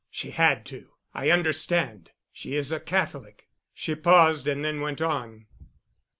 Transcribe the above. "She had to—I understand—she is a Catholic——" She paused and then went on.